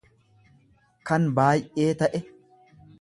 kan baay'ee ta'e.